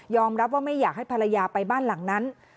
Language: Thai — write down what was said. รับว่าไม่อยากให้ภรรยาไปบ้านหลังนั้น